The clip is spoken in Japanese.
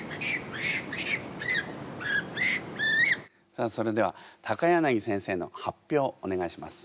さあそれでは柳先生の発表お願いします。